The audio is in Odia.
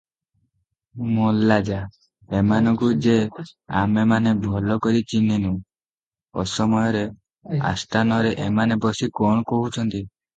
ମଲା-ଯା! ଏମାନଙ୍କୁ ଯେ ଆମେମାନେ ଭଲ କରି ଚିହ୍ନୁ! ଅସମୟରେ ଆସ୍ଥାନରେ ଏମାନେ ବସି କଣ କହୁଛନ୍ତି?